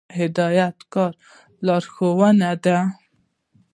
هدایت د کار لارښوونه ده